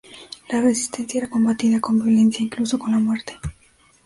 La resistencia era combatida con violencia e incluso con la muerte.